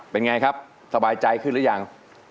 เป็นไงครับสบายใจขึ้นหรือยัง